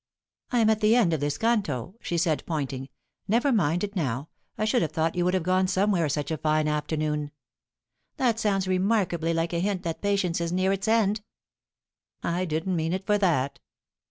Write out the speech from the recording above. "I'm at the end of this canto," she said, pointing. "Never mind it now. I should have thought you would have gone somewhere such a fine afternoon." "That sounds remarkably like a hint that patience is near its end." "I didn't mean it for that."